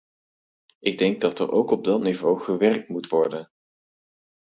Ik denk dat er ook op dat niveau gewerkt moet worden.